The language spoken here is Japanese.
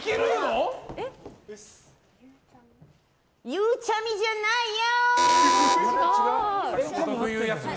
ゆうちゃみじゃないよ！